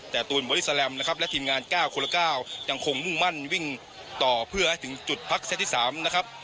แต่ตูนบอดี้แลมนะครับและทีมงาน๙คนละ๙ยังคงมุ่งมั่นวิ่งต่อเพื่อให้ถึงจุดพักเซตที่๓นะครับ